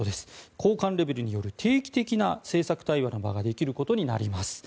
高官レベルによる定期的な政策対話の場ができることになります。